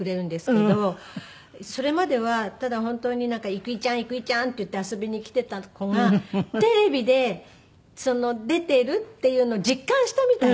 それまではただ本当になんか「郁恵ちゃん！郁恵ちゃん！」って言って遊びに来てた子がテレビで出てるっていうのを実感したみたいで。